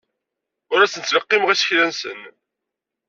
Ur asen-ttleqqimeɣ isekla-nsen.